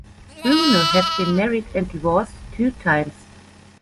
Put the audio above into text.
Bruno has been married and divorced two times.